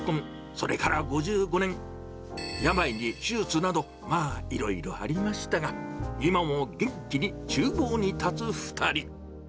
それから５５年、病に手術など、まあいろいろありましたが、今も元気にちゅう房に立つ２人。